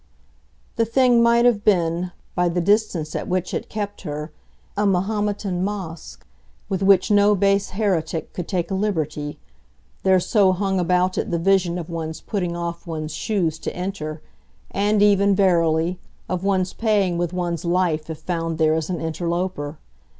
The thing might have been, by the distance at which it kept her, a Mahometan mosque, with which no base heretic could take a liberty; there so hung about it the vision of one's putting off one's shoes to enter, and even, verily, of one's paying with one's life if found there as an interloper.